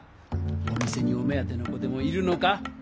お店にお目当ての子でもいるのか？